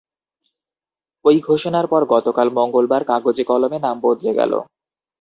ওই ঘোষণার পর গতকাল মঙ্গলবার কাগজে কলমে নাম বদলে গেল।